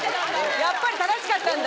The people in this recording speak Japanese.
やっぱり正しかったんだ